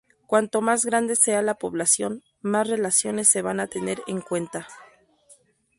Cuanto más grande sea la población, más relaciones se van a tener en cuenta.